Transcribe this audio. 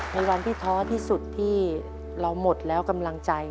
ในวันที่ท้อที่สุดที่เราหมดแล้วกำลังใจ